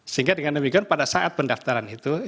sehingga dengan demikian pada saat pendaftaran itu